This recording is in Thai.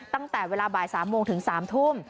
ตั้งแต่เวลาบ่าย๓โมงถึง๓ทุ่ม